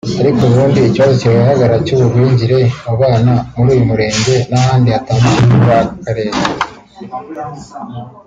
ariko ubundi ikibazo kikigaragara cy’ubugwingire mu bana muri uyu murenge n’ahandi hatandukanye muri aka karere